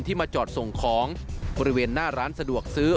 มาจอดส่งของบริเวณหน้าร้านสะดวกซื้อ